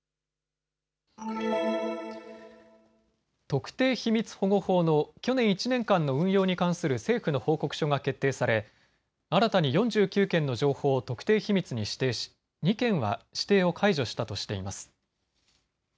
特定秘密保護法の去年１年間の運用に関する政府の報告書が決定され新たに４９件の情報を特定秘密に指定し、２件は指定を解除したとしています。